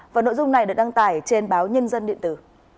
và nội dung này được đăng tải trên báo nhân dân điện tử